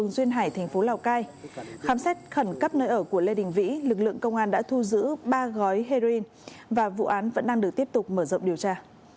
khám xét khẩn cấp nơi ở của lê đình vĩ lực lượng công an đã thu giữ ba gói heroin và vụ án vẫn đang được tiếp tục mở rộng điều tra